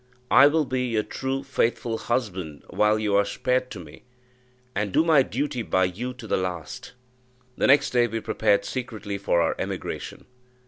I will be your true, faithful husband while you are spared to me, and do my duty by you to the last." The next day we prepared secretly for our emigration.